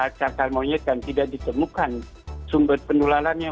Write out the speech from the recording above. kalau ditemukan cacar monyet dan tidak ditemukan sumber pendularannya